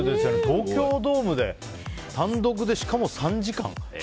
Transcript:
東京ドームで単独でしかも３時間。